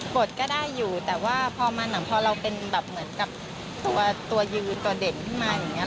ก็ได้อยู่แต่ว่าพอมันพอเราเป็นแบบเหมือนกับตัวยืนตัวเด่นขึ้นมาอย่างนี้